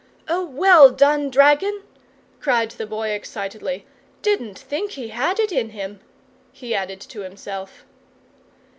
"Oh, well done, dragon!" cried the Boy, excitedly. "Didn't think he had it in him!" he added to himself.